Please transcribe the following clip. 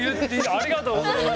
ありがとうございます。